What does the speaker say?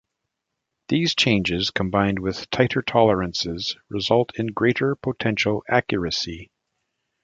These changes combined with tighter tolerances result in greater potential accuracy.